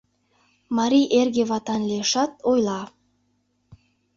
Марий эрге ватан лиешат, ойла: